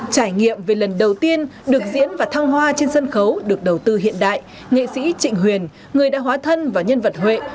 trải nghiệm về lần đầu tiên được diễn và thăng hoa trên sân khấu được đầu tư hiện đại nghệ sĩ trịnh huyền người đã hóa thân vào nhân vật huệ